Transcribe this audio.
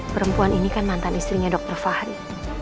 perempuan ini kan mantan istrinya dr fahri